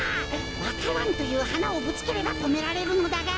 わか蘭というはなをぶつければとめられるのだが。